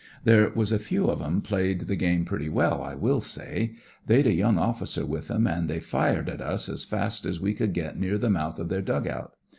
"There was a few of 'em played the game pretty well, I will say. They'd a young officer with 'em, an' they fired at ui ai fast as we could get near the mouth o' their dug out.